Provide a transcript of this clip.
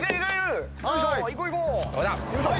おいしょ。